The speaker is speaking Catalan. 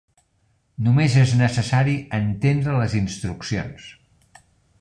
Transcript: Només és necessari entendre les instruccions.